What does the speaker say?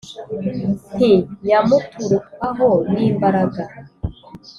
Nti: Nyamuturukwaho n’imbaraga